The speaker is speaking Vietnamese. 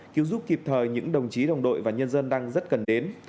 cứu giúp kịp thời những đồng chí đồng đội và nhân dân đang rất cần đến